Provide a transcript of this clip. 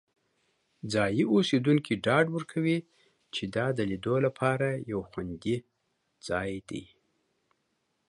ځایی اوسیدونکي ډاډ ورکوي چې دا د لیدو لپاره یو خوندي ځای دی.